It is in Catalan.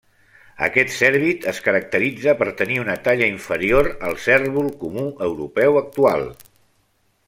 Aquest cèrvid es caracteritza per tenir una talla inferior al cérvol comú europeu actual.